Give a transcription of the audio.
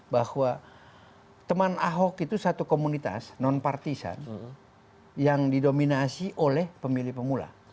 bahwa teman ahok itu satu komunitas non partisan yang didominasi oleh pemilih pemula